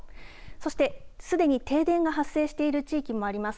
そしてすでに停電が発生している地域もあります。